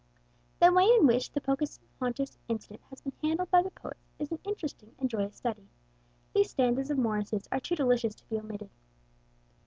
The way in which the Pocahontas incident has been handled by the poets is an interesting and joyous study. These stanzas of Morris's are too delicious to be omitted.